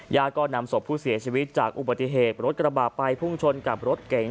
ก็นำศพผู้เสียชีวิตจากอุบัติเหตุรถกระบาดไปพุ่งชนกับรถเก๋ง